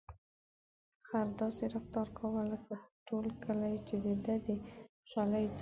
خر داسې رفتار کاوه لکه ټول کلي چې د ده د خوشحالۍ ځای وي.